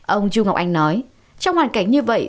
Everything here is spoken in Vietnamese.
ông du ngọc anh nói trong hoàn cảnh như vậy